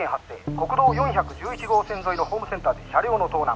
国道４１１号線沿いのホームセンターで車両の盗難。